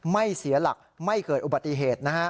ไม่เสียหลักไม่เกิดอุบัติเหตุนะฮะ